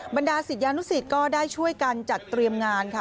บรรดาศิษยานุสิตก็ได้ช่วยกันจัดเตรียมงานค่ะ